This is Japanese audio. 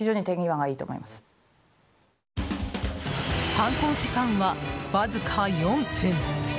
犯行時間はわずか４分。